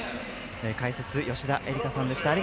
解説は吉田絵里架さんでした。